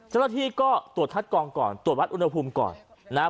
เจ้าที่ก็ตรวจทัศกรก่อนตรวจวัตรอุณหภูมิก่อนนะฮะ